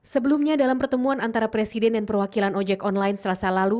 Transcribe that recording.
sebelumnya dalam pertemuan antara presiden dan perwakilan ojek online selasa lalu